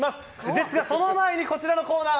ですがその前にこちらのコーナー。